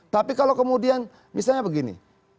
tapi kalau kemudian misalnya begini